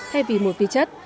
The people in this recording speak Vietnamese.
hay vì một vị chất